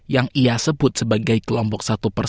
yang ia sebut sebagai kelompok satu persatu